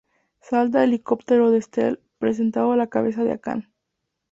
Salta al helicóptero de Estelle, presentando la cabeza de Akan.